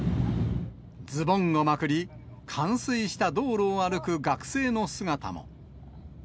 ズボンをまくり、冠水した道路を歩く学生の姿も。